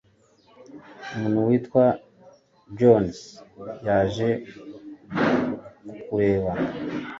Umuntu witwa Jones yaje kukureba.